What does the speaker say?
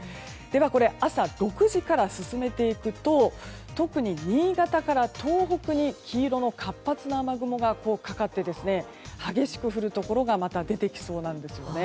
では、朝６時から進めていくと特に新潟から東北に黄色の活発な雨雲がかかって激しく降るところがまた出てきそうなんですよね。